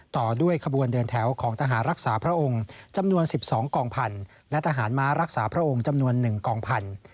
ต่อด้วยขบวนเดินแถวของทหารรักษาพระองค์จำนวน๑๒กองพันธุ์และทหารม้ารักษาพระองค์จำนวน๑กองพันธุ